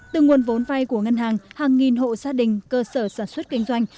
từ nguồn vốn vay của ngân hàng hàng nghìn hộ gia đình cơ sở sản xuất kinh doanh